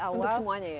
untuk semuanya ya